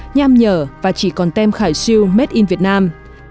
nham nhở và chỉ còn tem khải siêu made in việt nam